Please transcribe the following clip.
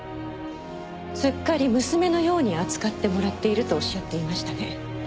すっかり娘のように扱ってもらっているとおっしゃっていましたね。